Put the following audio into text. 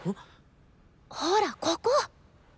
ほらここ！